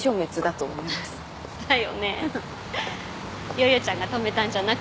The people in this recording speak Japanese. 夜々ちゃんが止めたんじゃなくて？